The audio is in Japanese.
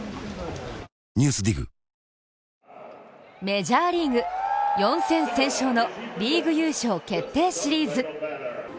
メジャーリーグ、４戦先勝のリーグ優勝決定シリーズ。